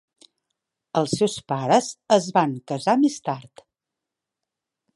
Els seus pares es van casar més tard.